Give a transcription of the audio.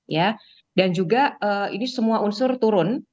ya dan juga ini semua unsur turun